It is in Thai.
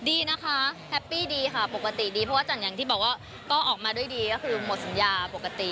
ดีนะคะแฮปปี้ดีค่ะปกติดีเพราะว่าจันอย่างที่บอกว่าก็ออกมาด้วยดีก็คือหมดสัญญาปกติ